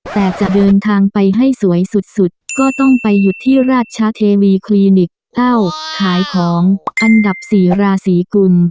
แต่จะเดินทางไปให้สวยสุดก็ต้องไปหยุดที่ราชเทวีคลินิกเอ้าขายของอันดับ๔ราศีกุล